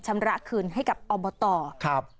ชำระคืนให้กับอบตครับ